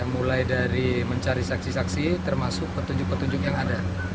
mulai dari mencari saksi saksi termasuk petunjuk petunjuk yang ada